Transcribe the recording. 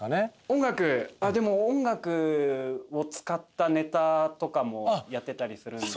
音楽でも音楽を使ったネタとかもやってたりするんで。